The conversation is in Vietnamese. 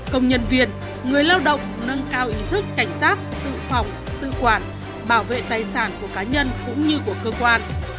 công nhân viên người lao động nâng cao ý thức cảnh giác tự phòng tự quản bảo vệ tài sản của cá nhân cũng như của cơ quan